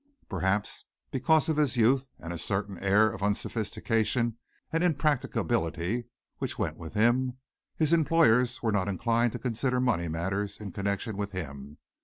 Perhaps, because of his youth and a certain air of unsophistication and impracticability which went with him, his employers were not inclined to consider money matters in connection with him.